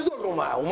お前！